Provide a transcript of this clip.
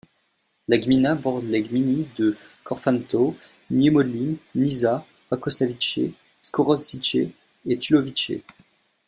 La gmina borde les gminy de Korfantów, Niemodlin, Nysa, Pakosławice, Skoroszyce et Tułowice.